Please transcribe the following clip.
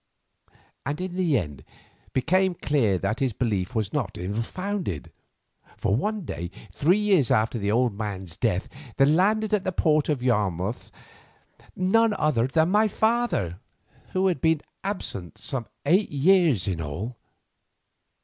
And in the end it became clear that this belief was not ill founded, for one day three years after the old man's death, there landed at the port of Yarmouth none other than my father, who had been absent some eight years in all.